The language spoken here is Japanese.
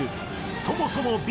そもそもＢ